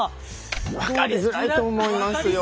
分かりづらいと思いますよ。